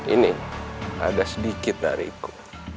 ini ada sedikit dari itu